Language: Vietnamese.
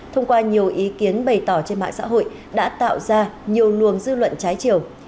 thông qua nhiều ý kiến bày tỏ trên mạng xã hội đã tạo ra nhiều luồng dư luận trái chiều